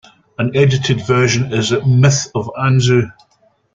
An edited version is at "Myth of Anzu".